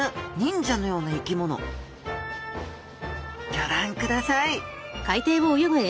ギョ覧ください